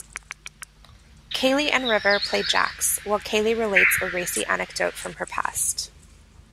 Kaylee and River play jacks while Kaylee relates a racy anecdote from her past.